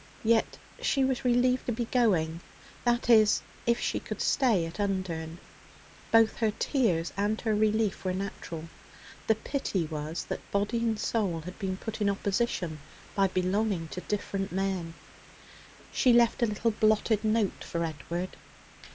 Yet she was relieved to be going that is, if she could stay at Undern. Both her tears and her relief were natural. The pity was that body and soul had been put in opposition by belonging to different men. She left a little blotted note for Edward.